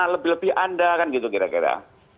lebih lebih anda kan gitu kira kira